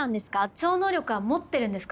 超能力は持ってるんですか？